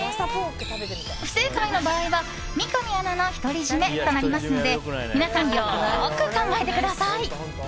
不正解の場合は、三上アナの独り占めとなりますので皆さん、よく考えてください。